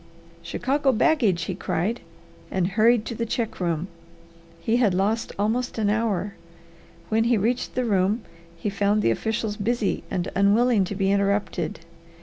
"Chicago baggage!" he cried, and hurried to the check room. He had lost almost an hour. When he reached the room he found the officials busy and unwilling to be interrupted.